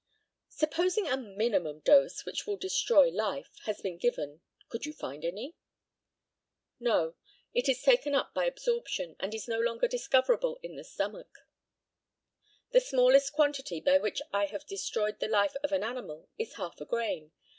Supposing a minimum dose, which will destroy life, has been given, could you find any? No. It is taken up by absorption, and is no longer discoverable in the stomach. The smallest quantity by which I have destroyed the life of an animal is half a grain.